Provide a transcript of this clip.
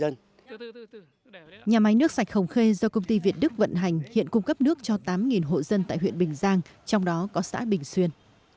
nhiều gia đình phải đi mua nước cho tám hộ dân tại huyện bình giang trong đó có xã bình xuyên